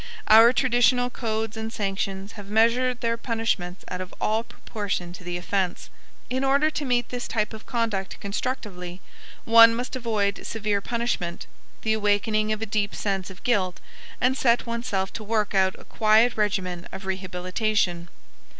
Our traditional codes and sanctions have measured their punishments out of all proportion to the offense. In order to meet this type of conduct constructively, one must avoid severe punishment, the awakening of a deep sense of guilt, and set oneself to work out a quiet regimen of rehabilitation.